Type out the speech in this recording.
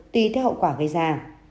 tùy theo hậu quả gây ra